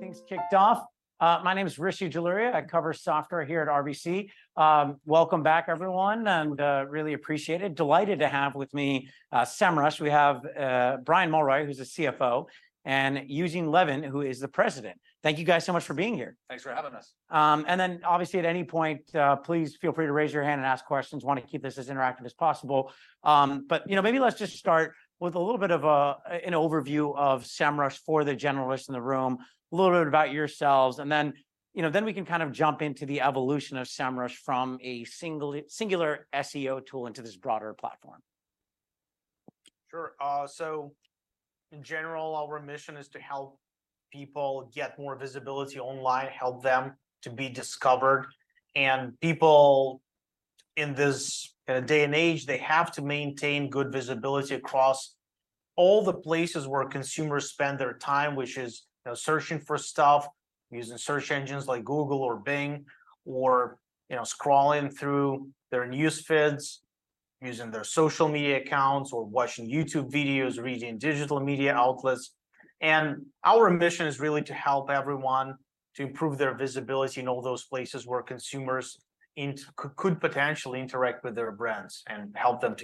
Things kicked off. My name is Rishi Jaluria. I cover software here at RBC. Welcome back, everyone, and really appreciate it. Delighted to have with me Semrush. We have Brian Mulroy, who's the CFO, and Eugene Levin, who is the President. Thank you guys so much for being here. Thanks for having us. And then obviously, at any point, please feel free to raise your hand and ask questions. Wanna keep this as interactive as possible. But, you know, maybe let's just start with a little bit of an overview of Semrush for the generalists in the room, a little bit about yourselves, and then, you know, then we can kind of jump into the evolution of Semrush from a singular SEO tool into this broader platform. Sure. So in general, our mission is to help people get more visibility online, help them to be discovered. People in this day and age, they have to maintain good visibility across all the places where consumers spend their time, which is, you know, searching for stuff, using search engines like Google or Bing, or, you know, scrolling through their news feeds, using their social media accounts, or watching YouTube videos, reading digital media outlets. Our mission is really to help everyone to improve their visibility in all those places where consumers could potentially interact with their brands and help them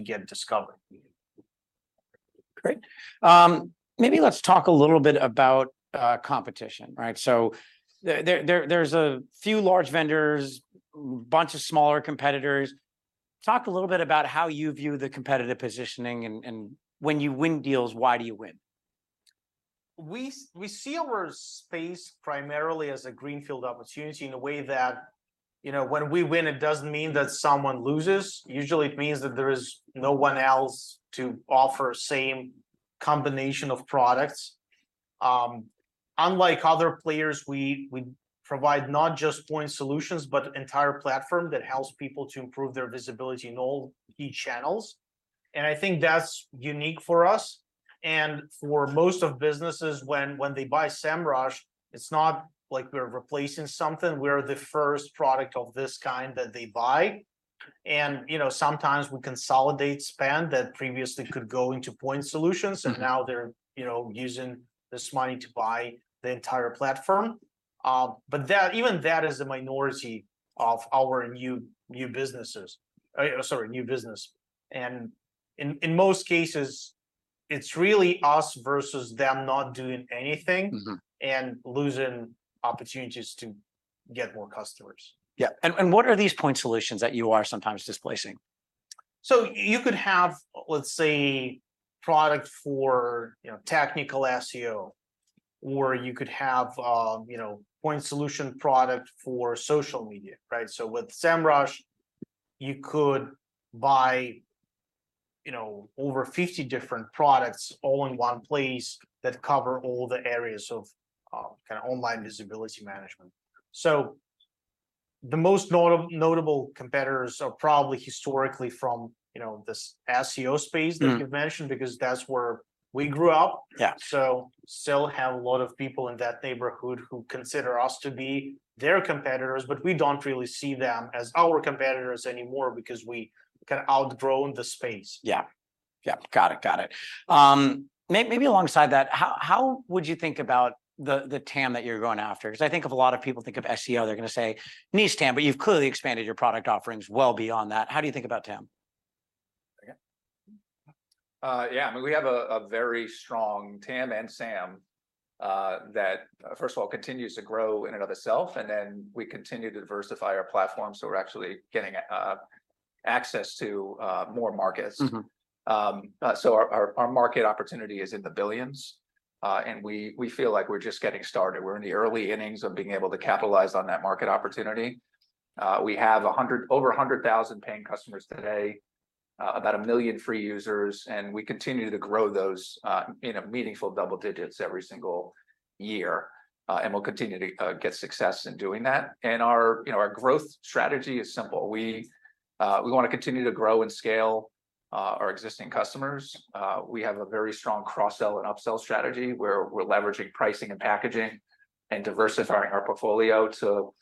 to get discovered. Great. Maybe let's talk a little bit about competition, right? So there's a few large vendors, bunch of smaller competitors. Talk a little bit about how you view the competitive positioning, and when you win deals, why do you win? We see our space primarily as a greenfield opportunity in a way that, you know, when we win, it doesn't mean that someone loses. Usually, it means that there is no one else to offer same combination of products. Unlike other players, we provide not just point solutions, but an entire platform that helps people to improve their visibility in all key channels, and I think that's unique for us. And for most of businesses, when they buy Semrush, it's not like we're replacing something. We're the first product of this kind that they buy. And, you know, sometimes we consolidate spend that previously could go into point solutions-... and now they're, you know, using this money to buy the entire platform. But that, even that is a minority of our new business. And in most cases, it's really us versus them not doing anything... and losing opportunities to get more customers. Yeah. And what are these point solutions that you are sometimes displacing? So you could have, let's say, product for, you know, technical SEO, or you could have, point solution product for social media, right? So with Semrush, you could buy, you know, over 50 different products all in one place that cover all the areas of, kind of online visibility management. So the most notable competitors are probably historically from, you know, this SEO space-... that you've mentioned, because that's where we grew up. Yeah. Still have a lot of people in that neighborhood who consider us to be their competitors, but we don't really see them as our competitors anymore because we kind of outgrown the space. Yeah. Yeah. Got it, got it. Maybe alongside that, how would you think about the TAM that you're going after? 'Cause I think of a lot of people think of SEO, they're gonna say niche TAM, but you've clearly expanded your product offerings well beyond that. How do you think about TAM? Okay. Yeah, I mean, we have a very strong TAM and SAM that, first of all, continues to grow in and of itself, and then we continue to diversify our platform, so we're actually getting access to more markets. So our market opportunity is in the billions, and we feel like we're just getting started. We're in the early innings of being able to capitalize on that market opportunity. We have over 100,000 paying customers today, about a million free users, and we continue to grow those in meaningful double digits every single year. And we'll continue to get success in doing that. And, you know, our growth strategy is simple. We wanna continue to grow and scale our existing customers. We have a very strong cross-sell and up-sell strategy, where we're leveraging pricing and packaging and diversifying our portfolio to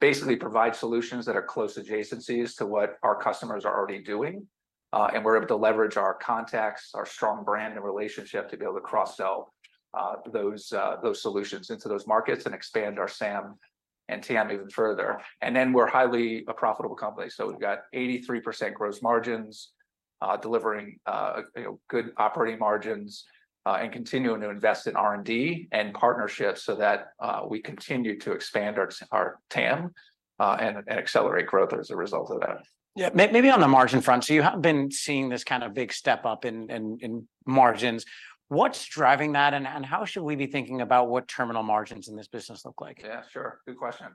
basically provide solutions that are close adjacencies to what our customers are already doing. And we're able to leverage our contacts, our strong brand and relationship to be able to cross-sell those solutions into those markets and expand our SAM and TAM even further. And then we're highly a profitable company, so we've got 83% gross margins, delivering you know good operating margins and continuing to invest in R&D and partnerships so that we continue to expand our our TAM and accelerate growth as a result of that. Yeah. Maybe on the margin front, so you have been seeing this kind of big step up in margins. What's driving that, and how should we be thinking about what terminal margins in this business look like? Yeah, sure. Good question.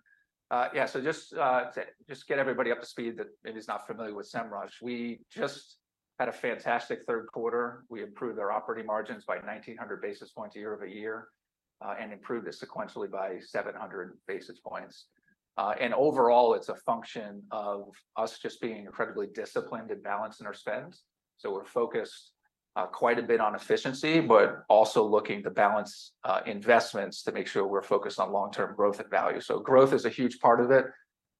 Yeah, so just to just get everybody up to speed that maybe is not familiar with Semrush, we just had a fantastic third quarter. We improved our operating margins by 1900 basis points year-over-year, and improved it sequentially by 700 basis points. And overall, it's a function of us just being incredibly disciplined and balancing our spends. So we're focused quite a bit on efficiency, but also looking to balance investments to make sure we're focused on long-term growth and value. So growth is a huge part of it.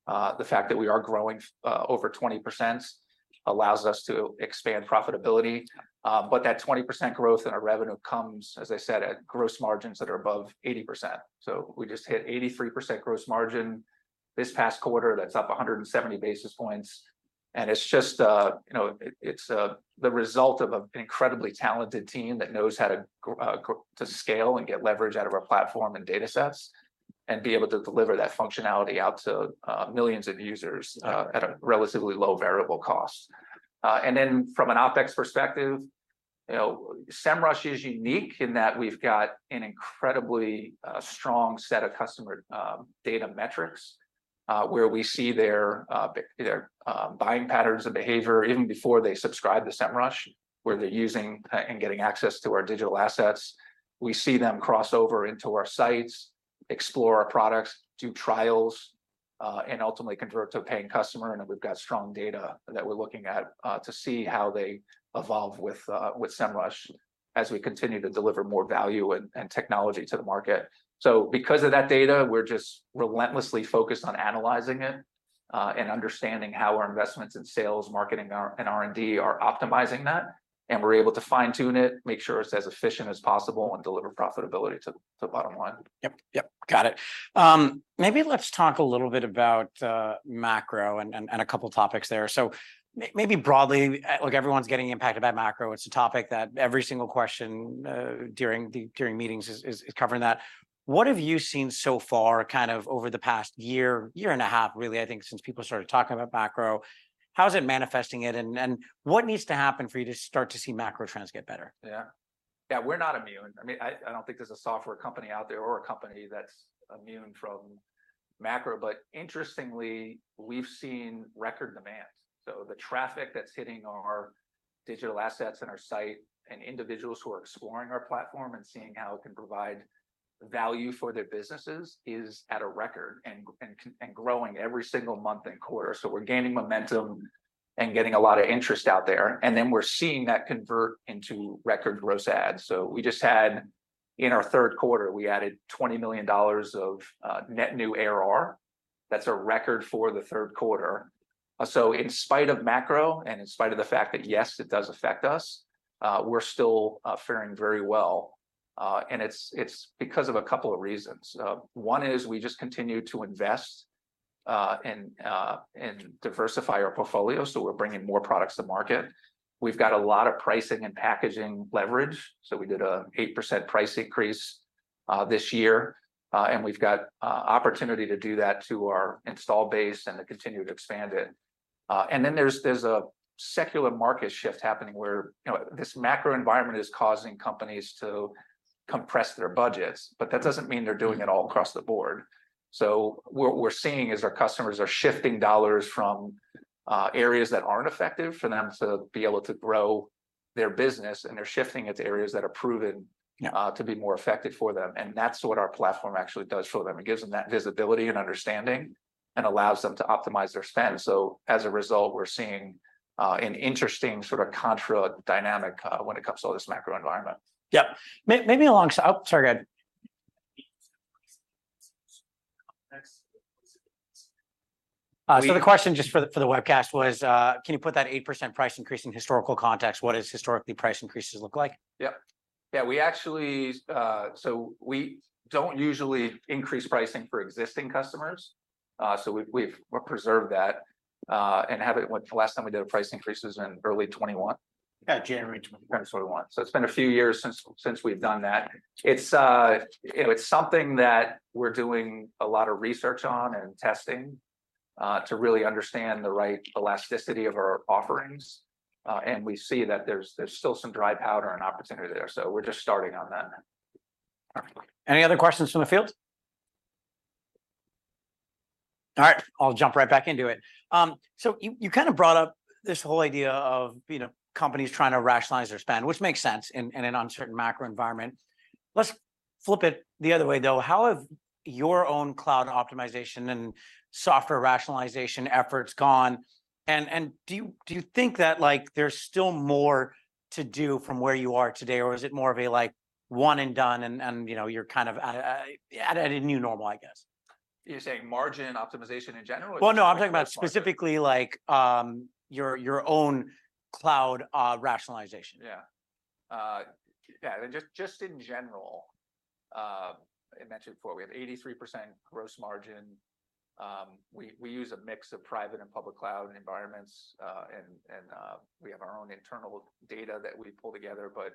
The fact that we are growing over 20% allows us to expand profitability. But that 20% growth in our revenue comes, as I said, at gross margins that are above 80%. So we just hit 83% gross margin this past quarter, that's up 170 basis points, and it's just, you know, it's the result of an incredibly talented team that knows how to scale and get leverage out of our platform and data sets, and be able to deliver that functionality out to millions of users at a relatively low variable cost. And then from an OpEx perspective, you know, Semrush is unique in that we've got an incredibly strong set of customer data metrics where we see their buying patterns of behavior even before they subscribe to Semrush, where they're using and getting access to our digital assets. We see them cross over into our sites, explore our products, do trials, and ultimately convert to a paying customer, and we've got strong data that we're looking at, to see how they evolve with Semrush as we continue to deliver more value and technology to the market. So because of that data, we're just relentlessly focused on analyzing it, and understanding how our investments in sales, marketing, and R&D are optimizing that, and we're able to fine-tune it, make sure it's as efficient as possible, and deliver profitability to the bottom line. Yep. Yep, got it. Maybe let's talk a little bit about macro and a couple topics there. So maybe broadly, like, everyone's getting impacted by macro. It's a topic that every single question during meetings is covering that. What have you seen so far kind of over the past year and a half, really, I think, since people started talking about macro? How is it manifesting it, and what needs to happen for you to start to see macro trends get better? Yeah. Yeah, we're not immune. I mean, I don't think there's a software company out there or a company that's immune from macro, but interestingly, we've seen record demand. So the traffic that's hitting our digital assets and our site, and individuals who are exploring our platform and seeing how it can provide value for their businesses, is at a record and growing every single month and quarter. So we're gaining momentum and getting a lot of interest out there, and then we're seeing that convert into record gross adds. So we just had, in our third quarter, we added $20 million of net new ARR. That's a record for the third quarter. So in spite of macro, and in spite of the fact that, yes, it does affect us, we're still faring very well. And it's because of a couple of reasons. One is we just continue to invest and diversify our portfolio, so we're bringing more products to market. We've got a lot of pricing and packaging leverage, so we did an 8% price increase this year. And we've got opportunity to do that to our installed base and to continue to expand it. And then there's a secular market shift happening where, you know, this macro environment is causing companies to compress their budgets, but that doesn't mean they're doing it all across the board. So what we're seeing is our customers are shifting dollars from areas that aren't effective for them to be able to grow their business, and they're shifting it to areas that are proven- Yeah... to be more effective for them, and that's what our platform actually does for them. It gives them that visibility and understanding, and allows them to optimize their spend. So as a result, we're seeing an interesting sort of contra dynamic when it comes to this macro environment. Yeah. Maybe... Oh, sorry, go ahead.. The question, just for the webcast was, can you put that 8% price increase in historical context? What does historically price increases look like? Yep. Yeah, we actually, so we don't usually increase pricing for existing customers. So we've preserved that, and the last time we did a price increase is in early 2021. Yeah, January 2021. So it's been a few years since we've done that. It's, you know, it's something that we're doing a lot of research on and testing, to really understand the right elasticity of our offerings. And we see that there's still some dry powder and opportunity there, so we're just starting on that. Perfect. Any other questions from the field? All right, I'll jump right back into it. So you, you kind of brought up this whole idea of, you know, companies trying to rationalize their spend, which makes sense in, in an uncertain macro environment. Let's flip it the other way, though. How have your own cloud optimization and software rationalization efforts gone? And, and do you, do you think that, like, there's still more to do from where you are today, or is it more of a, like, one and done and, and, you know, you're kind of at, at, at a new normal, I guess? You're saying margin optimization in general, or... Well, no, I'm talking about specifically, like, your own cloud rationalization. Yeah. Yeah, and just in general, I mentioned before, we have 83% Gross Margin. We use a mix of private and public cloud environments, and we have our own internal data that we pull together. But,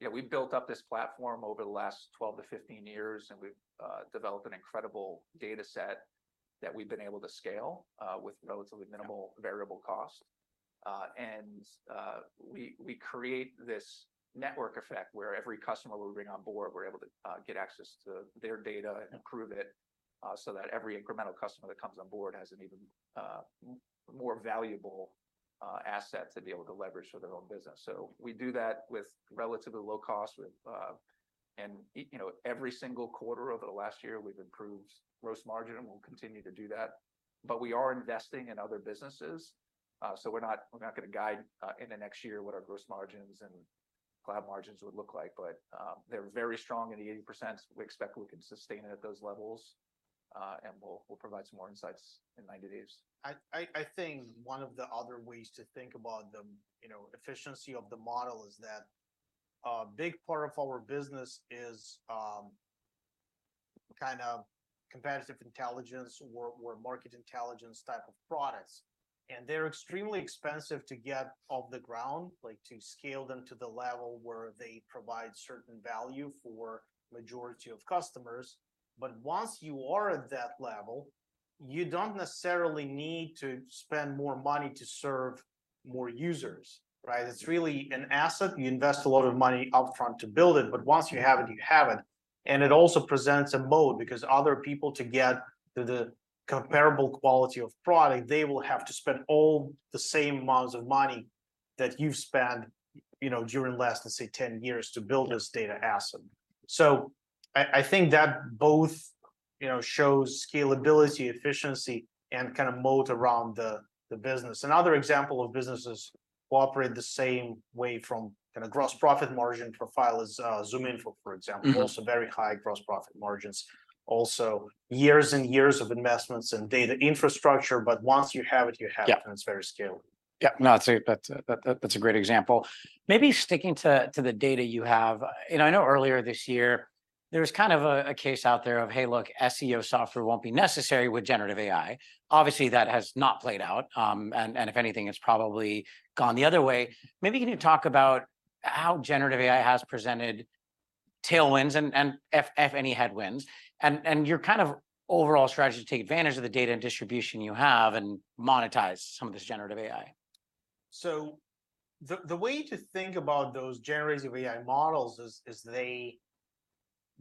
you know, we built up this platform over the last 12-15 years, and we've developed an incredible data set that we've been able to scale with relatively minimal- Yeah... variable cost. We create this network effect where every customer we bring on board, we're able to get access to their data, improve it, so that every incremental customer that comes on board has an even more valuable asset to be able to leverage for their own business. So we do that with relatively low cost with... And, you know, every single quarter over the last year, we've improved gross margin, and we'll continue to do that, but we are-... investing in other businesses, so we're not, we're not gonna guide, in the next year what our gross margins and cloud margins would look like. But, they're very strong in the 80%. We expect we can sustain it at those levels, and we'll, we'll provide some more insights in 90 days. I think one of the other ways to think about the, you know, efficiency of the model is that a big part of our business is kind of competitive intelligence or market intelligence type of products. And they're extremely expensive to get off the ground, like to scale them to the level where they provide certain value for majority of customers. But once you are at that level, you don't necessarily need to spend more money to serve more users, right? It's really an asset. You invest a lot of money upfront to build it, but once you have it, you have it. And it also presents a moat because other people to get to the comparable quality of product, they will have to spend all the same amounts of money that you've spent, you know, during the last, let's say, 10 years to build- Yeah... this data asset. So I think that both, you know, shows scalability, efficiency, and kind of moat around the business. Another example of businesses who operate the same way from kind of gross profit margin profile is ZoomInfo, for example. Mm-hmm. Also very high gross profit margins, also years and years of investments in data infrastructure, but once you have it, you have it. Yeah... and it's very scalable. Yeah, no, that's a great example. Maybe sticking to the data you have, and I know earlier this year, there was kind of a case out there of, "Hey, look, SEO software won't be necessary with generative AI." Obviously, that has not played out, and if anything, it's probably gone the other way. Maybe can you talk about how generative AI has presented tailwinds and if any headwinds, and your kind of overall strategy to take advantage of the data and distribution you have and monetize some of this generative AI? So the way to think about those generative AI models is they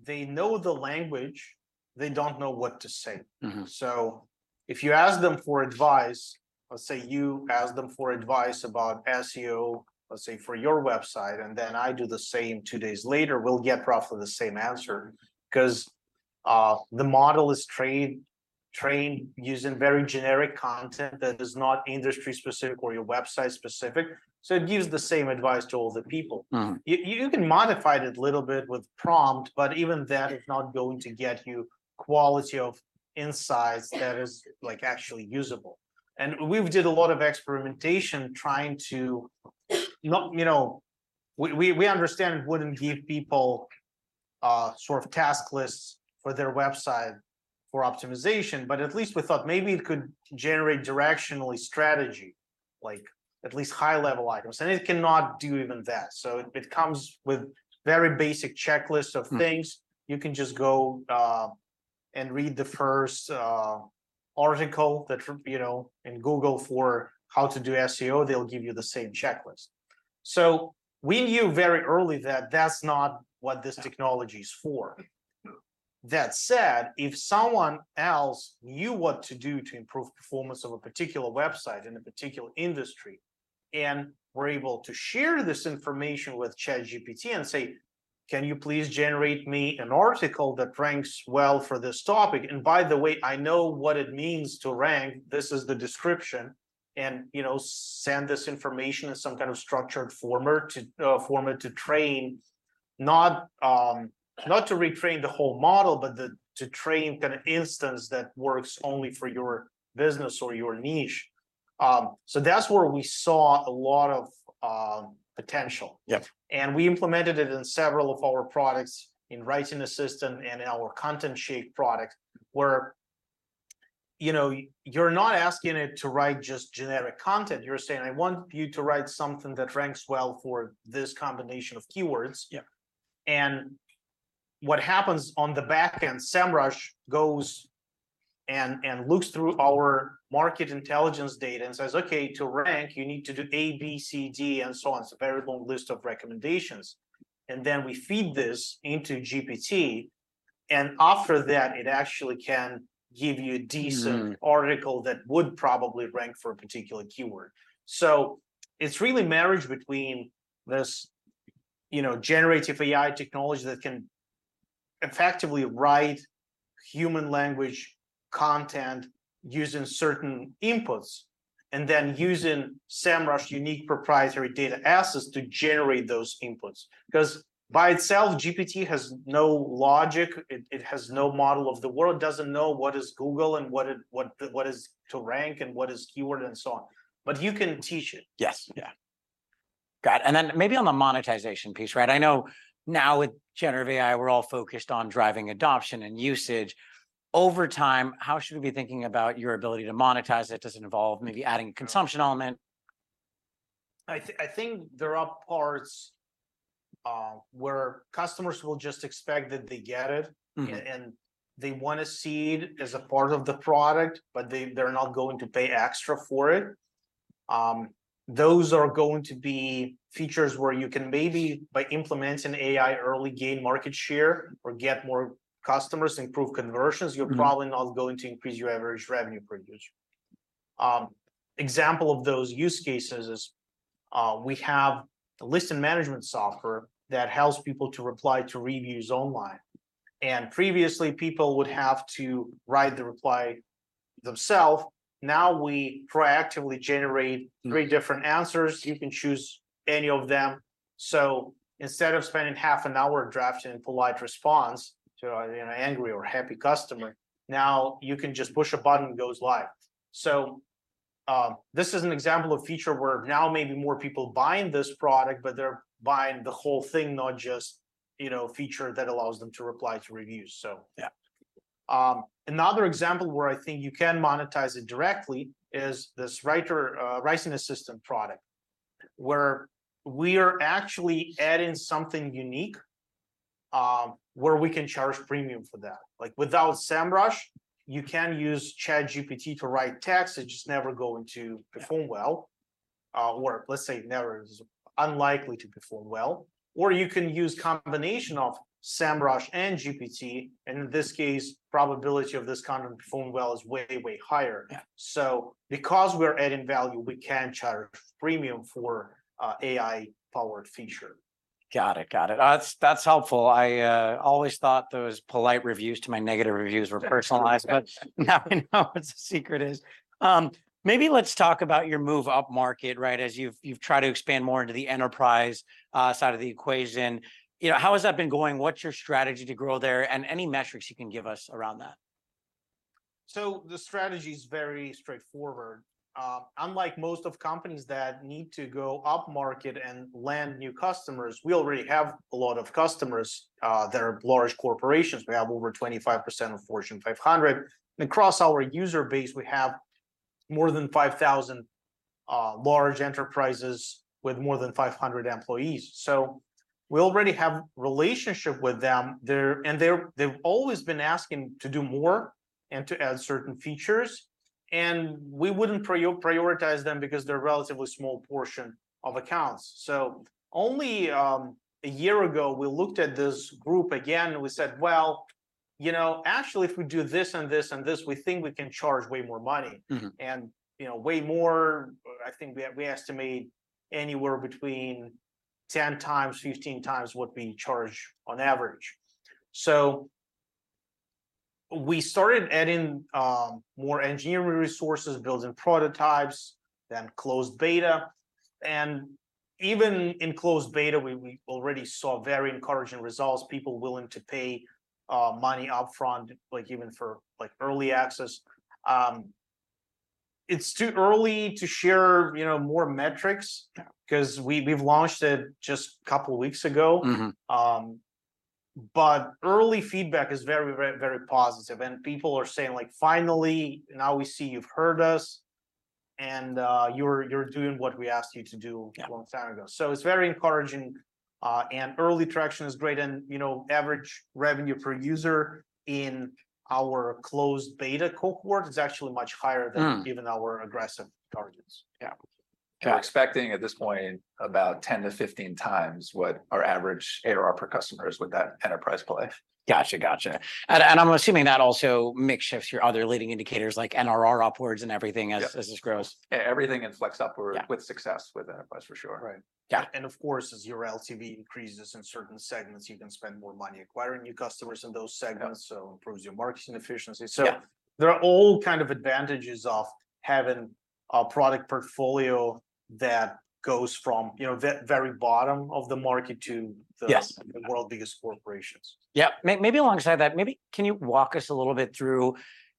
know the language, they don't know what to say. Mm-hmm. So if you ask them for advice, let's say you ask them for advice about SEO, let's say for your website, and then I do the same two days later, we'll get roughly the same answer. 'Cause the model is trained using very generic content that is not industry-specific or your website-specific, so it gives the same advice to all the peopl You can modify it a little bit with prompt, but even that is not going to get you quality of insights that is, like, actually usable. And we've did a lot of experimentation trying to... you know, we understand it wouldn't give people sort of task lists for their website for optimization, but at least we thought maybe it could generate directionally strategy, like at least high-level items. And it cannot do even that, so it comes with very basic checklists of things. You can just go and read the first article that, you know, in Google for how to do SEO, they'll give you the same checklist. So we knew very early that that's not what this technology's for. Yeah. That said, if someone else knew what to do to improve performance of a particular website in a particular industry and were able to share this information with ChatGPT and say, "Can you please generate me an article that ranks well for this topic? And by the way, I know what it means to rank. This is the description." And, you know, send this information in some kind of structured format to train, not to retrain the whole model, but to train kind of instance that works only for your business or your niche. So that's where we saw a lot of potential. Yeah. We implemented it in several of our products, in Writing Assistant and our Content Shape product, where, you know, you're not asking it to write just generic content. You're saying, "I want you to write something that ranks well for this combination of keywords. Yeah. And what happens on the back end, Semrush goes and looks through our market intelligence data and says: "Okay, to rank, you need to do A, B, C, D, and so on." It's a very long list of recommendations. And then we feed this into GPT, and after that, it actually can give you a decent-... article that would probably rank for a particular keyword. So it's really marriage between this, you know, generative AI technology that can effectively write human language content using certain inputs, and then using Semrush's unique proprietary data assets to generate those inputs. 'Cause by itself, GPT has no logic. It has no model of the world, doesn't know what is Google and what is to rank and what is keyword and so on. But you can teach it. Yes. Yeah. Got it, and then maybe on the monetization piece, right? I know now with generative AI, we're all focused on driving adoption and usage. Over time, how should we be thinking about your ability to monetize it? Does it involve maybe adding a consumption element? I think there are parts where customers will just expect that they get it- Mm... and they want to see it as a part of the product, but they, they're not going to pay extra for it. Those are going to be features where you can maybe, by implementing AI early, gain market share or get more customers, improve conversions. Mm-hmm. You're probably not going to increase your average revenue per user. Example of those use cases is we have the Listing Management software that helps people to reply to reviews online. And previously, people would have to write the reply themselves. Now, we proactively generate- Mm... three different answers. You can choose any of them. So instead of spending half an hour drafting a polite response to a, you know, angry or happy customer, now you can just push a button, it goes live. So, this is an example of feature where now maybe more people buying this product, but they're buying the whole thing, not just, you know, a feature that allows them to reply to reviews, so. Yeah. Another example where I think you can monetize it directly is this Writing Assistant product, where we are actually adding something unique, where we can charge premium for that. Like, without Semrush, you can use ChatGPT to write text. It's just never going to perform well, or let's say never is unlikely to perform well. Or you can use combination of Semrush and GPT, and in this case, probability of this content perform well is way, way higher. Yeah. Because we're adding value, we can charge premium for an AI-powered feature. Got it. Got it. That's, that's helpful. I always thought those polite reviews to my negative reviews were- Yeah... personalized, but now I know what the secret is. Maybe let's talk about your move upmarket, right? As you've tried to expand more into the enterprise side of the equation. You know, how has that been going? What's your strategy to grow there, and any metrics you can give us around that? So the strategy's very straightforward. Unlike most of companies that need to go upmarket and land new customers, we already have a lot of customers that are large corporations. We have over 25% of Fortune 500. Across our user base, we have more than 5,000 large enterprises with more than 500 employees. We already have relationship with them. They've always been asking to do more and to add certain features, and we wouldn't prioritize them because they're a relatively small portion of accounts. Only a year ago, we looked at this group again, and we said: "Well, you know, actually, if we do this and this and this, we think we can charge way more money. Mm-hmm. And, you know, way more, I think we estimated anywhere between 10x, 15x what we charge on average. So we started adding more engineering resources, building prototypes, then closed beta. And even in closed beta, we already saw very encouraging results, people willing to pay money upfront, like, even for, like, early access. It's too early to share, you know, more metrics- Yeah... 'cause we've launched it just a couple of weeks ago. Mm-hmm. But early feedback is very, very, very positive, and people are saying, like: "Finally, now we see you've heard us, and you're doing what we asked you to do- Yeah... a long time ago." So it's very encouraging. And early traction is great, and, you know, average revenue per user in our closed beta cohort is actually much higher than- Mm... even our aggressive targets. Yeah. Got- We're expecting at this point about 10-15 times what our average ARR per customer is with that enterprise play. Gotcha, gotcha. And, and I'm assuming that also mix shifts your other leading indicators, like NRR upwards and everything as- Yep... as this grows. Everything inflects upwards. Yeah... with success with enterprise, for sure. Right. Yeah. And, of course, as your LTV increases in certain segments, you can spend more money acquiring new customers in those segments- Yeah... so improves your marketing efficiency. Yeah. So there are all kind of advantages of having a product portfolio that goes from, you know, the very bottom of the market to the- Yes... the world's biggest corporations. Yeah. Maybe alongside that, maybe can you walk us a little bit through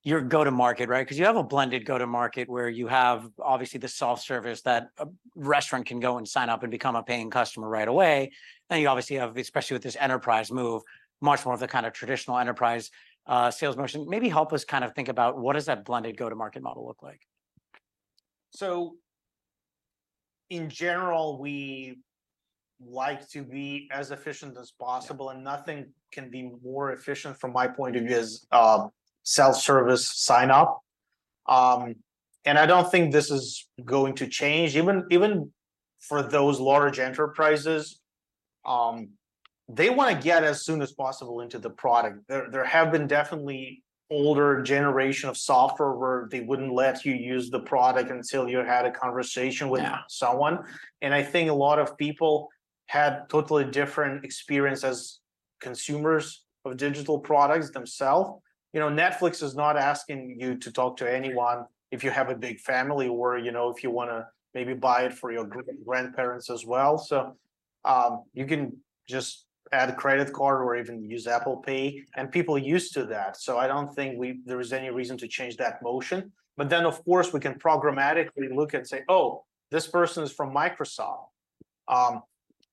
your go-to-market, right? 'Cause you have a blended go-to-market, where you have obviously the self-service that a restaurant can go and sign up and become a paying customer right away. Then you obviously have, especially with this enterprise move, much more of the kind of traditional enterprise sales motion. Maybe help us kind of think about what does that blended go-to-market model look like? In general, we like to be as efficient as possible- Yeah... and nothing can be more efficient from my point of view as self-service sign-up. And I don't think this is going to change. Even for those large enterprises, they wanna get as soon as possible into the product. There have been definitely older generation of software where they wouldn't let you use the product until you had a conversation with- Yeah... someone. And I think a lot of people had totally different experience as consumers of digital products themselves. You know, Netflix is not asking you to talk to anyone if you have a big family or, you know, if you wanna maybe buy it for your grandparents as well. So, you can just add a credit card or even use Apple Pay, and people are used to that, so I don't think there's any reason to change that motion. But then, of course, we can programmatically look and say, "Oh, this person's from Microsoft."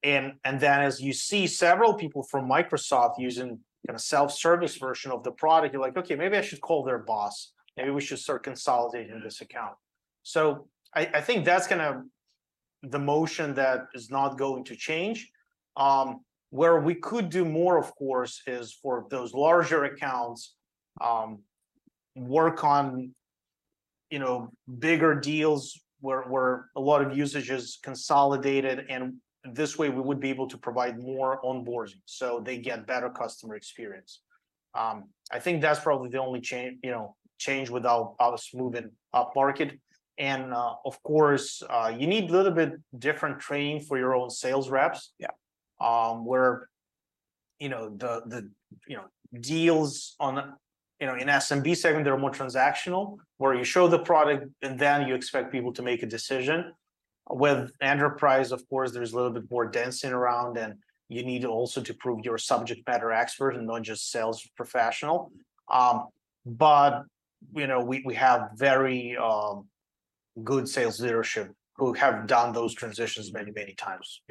And then as you see several people from Microsoft using, you know, a self-service version of the product, you're like: "Okay, maybe I should call their boss. Maybe we should start consolidating this account." So I think that's gonna... the motion that is not going to change. Where we could do more, of course, is for those larger accounts, work on, you know, bigger deals, where a lot of usage is consolidated, and this way, we would be able to provide more onboarding, so they get better customer experience. I think that's probably the only change, you know, with our moving upmarket. And, of course, you need a little bit different training for your own sales reps. Yeah. You know, the deals on, you know, in SMB segment, they're more transactional, where you show the product and then you expect people to make a decision. With enterprise, of course, there's a little bit more dancing around, and you need also to prove you're a subject matter expert and not just sales professional. But, you know, we have very good sales leadership who have done those transitions many, many times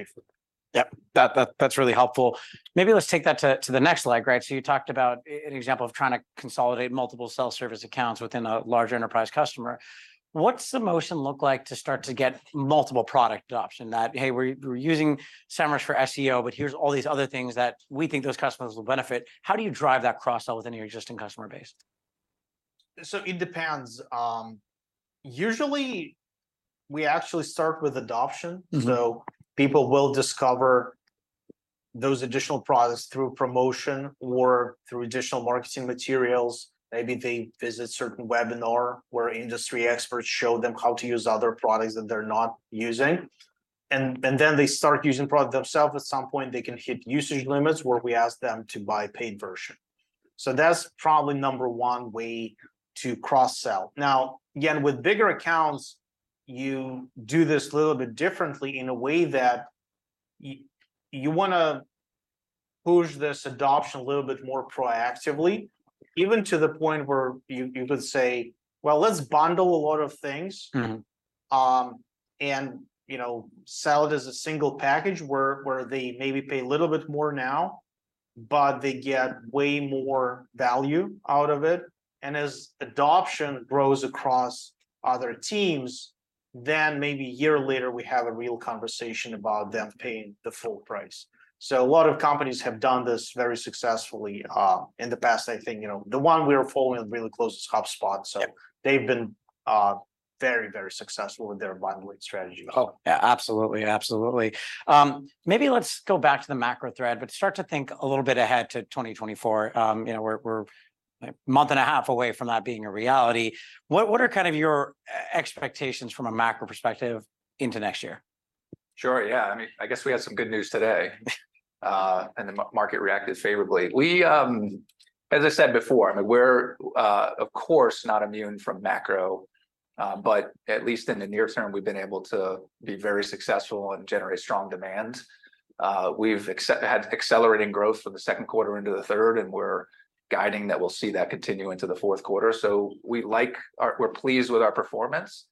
before. Yep, that's really helpful. Maybe let's take that to the next leg, right? So you talked about an example of trying to consolidate multiple self-service accounts within a larger enterprise customer. What's the motion look like to start to get multiple product adoption? "Hey, we're using Semrush for SEO, but here's all these other things that we think those customers will benefit." How do you drive that cross-sell within your existing customer base? It depends. Usually we actually start with adoption. Mm-hmm. So people will discover those additional products through promotion or through additional marketing materials. Maybe they visit certain webinar, where industry experts show them how to use other products that they're not using, and then they start using product themselves. At some point, they can hit usage limits, where we ask them to buy paid version. So that's probably number one way to cross-sell. Now, again, with bigger accounts, you do this a little bit differently in a way that you wanna push this adoption a little bit more proactively, even to the point where you could say, "Well, let's bundle a lot of things- Mm-hmm... and, you know, sell it as a single package, where they maybe pay a little bit more now, but they get way more value out of it. As adoption grows across other teams, then maybe a year later, we have a real conversation about them paying the full price. So a lot of companies have done this very successfully, in the past. I think, you know, the one we're following really close is HubSpot. Yep. They've been very, very successful with their bundling strategy. Oh, yeah, absolutely, absolutely. Maybe let's go back to the macro thread, but start to think a little bit ahead to 2024. You know, we're, like, a month-and-a-half away from that being a reality. What are kind of your expectations from a macro perspective into next year? Sure. Yeah, I mean, I guess we had some good news today, and the market reacted favorably. We, as I said before, I mean, we're, of course, not immune from macro, but at least in the near term, we've been able to be very successful and generate strong demand. We've had accelerating growth from the second quarter into the third, and we're guiding that we'll see that continue into the fourth quarter, so we're pleased with our performance.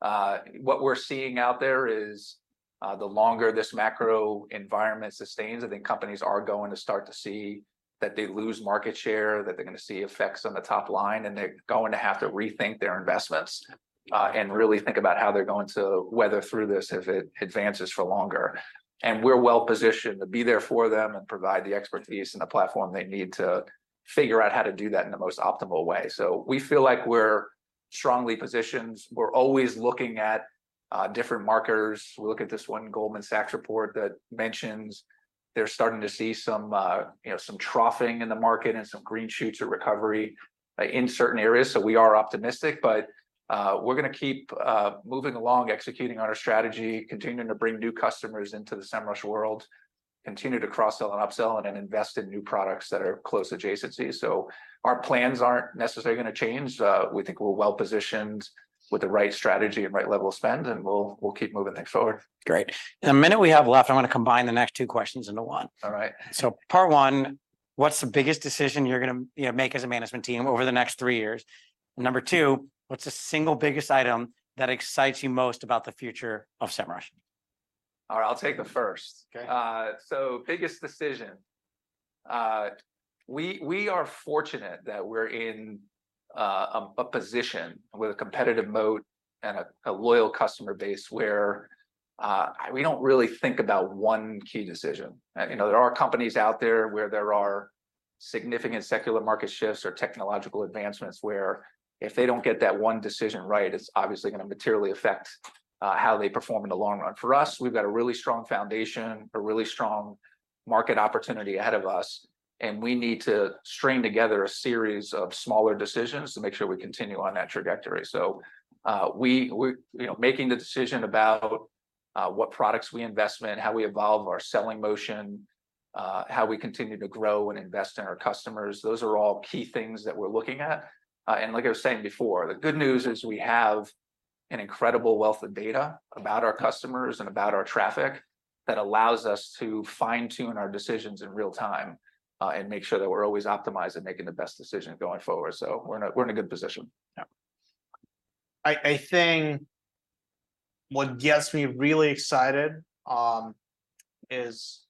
What we're seeing out there is, the longer this macro environment sustains, I think companies are going to start to see that they lose market share, that they're gonna see effects on the top line, and they're going to have to rethink their investments, and really think about how they're going to weather through this if it advances for longer. And we're well-positioned to be there for them and provide the expertise and the platform they need to figure out how to do that in the most optimal way. So we feel like we're strongly positioned. We're always looking at different markers. We look at this one Goldman Sachs report that mentions they're starting to see some, you know, some troughing in the market and some green shoots of recovery in certain areas, so we are optimistic. But, we're gonna keep moving along, executing on our strategy, continuing to bring new customers into the Semrush world, continue to cross-sell and upsell and invest in new products that are close adjacencies. Our plans aren't necessarily gonna change. We think we're well-positioned with the right strategy and right level of spend, and we'll keep moving things forward. Great. In the minute we have left, I want to combine the next two questions into one. All right. So part one, what's the biggest decision you're gonna, you know, make as a management team over the next three years? Number two, what's the single biggest item that excites you most about the future of Semrush? All right, I'll take the first. Okay. So, biggest decision. We are fortunate that we're in a position with a competitive moat and a loyal customer base, where we don't really think about one key decision. You know, there are companies out there where there are significant secular market shifts or technological advancements, where if they don't get that one decision right, it's obviously gonna materially affect how they perform in the long run. For us, we've got a really strong foundation, a really strong market opportunity ahead of us, and we need to string together a series of smaller decisions to make sure we continue on that trajectory. So, we're, you know, making the decision about what products we invest in, how we evolve our selling motion, how we continue to grow and invest in our customers, those are all key things that we're looking at. And like I was saying before, the good news is we have an incredible wealth of data about our customers and about our traffic that allows us to fine-tune our decisions in real time, and make sure that we're always optimized and making the best decision going forward. So we're in a good position. Yeah. I think what gets me really excited is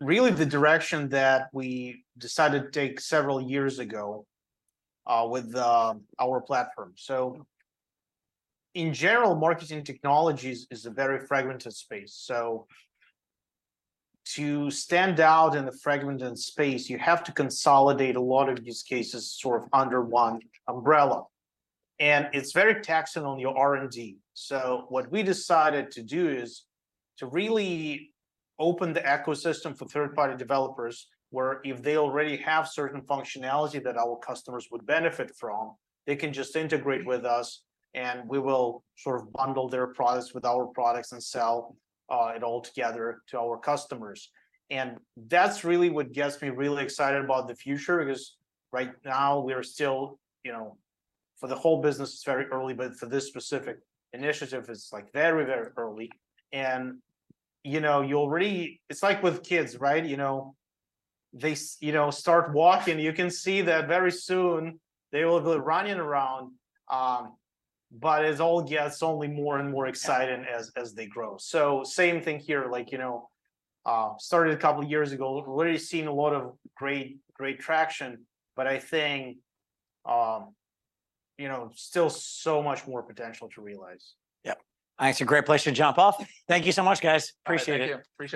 really the direction that we decided to take several years ago with our platform. Mm-hmm. So in general, marketing technologies is a very fragmented space. So to stand out in a fragmented space, you have to consolidate a lot of these cases sort of under one umbrella, and it's very taxing on your R&D. So what we decided to do is to really open the ecosystem for third-party developers, where if they already have certain functionality that our customers would benefit from, they can just integrate with us, and we will sort of bundle their products with our products and sell it all together to our customers. And that's really what gets me really excited about the future, because right now, we are still, you know... For the whole business, it's very early, but for this specific initiative, it's, like, very, very early. And, you know, It's like with kids, right? You know, they you know, start walking. You can see that very soon they will be running around. But as all gets only more and more exciting- Yeah... as, as they grow. So same thing here, like, you know, started a couple of years ago, already seeing a lot of great, great traction, but I think, you know, still so much more potential to realize. Yep. It's a great place to jump off. Thank you so much, guys. Appreciate it. All right, thank you. Appreciate it.